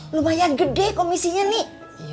lumayan gede komisinya nih